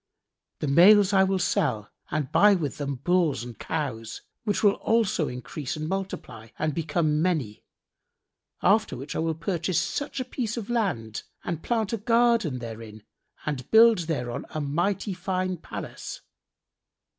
The males I will sell and buy with them bulls and cows, which will also increase and multiply and become many; after which I will purchase such a piece of land and plant a garden therein and build thereon a mighty fine[FN#69] palace.